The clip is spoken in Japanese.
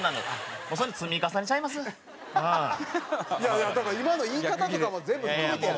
いやだから今の言い方とかも全部含めてやで？